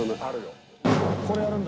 これやるんだ。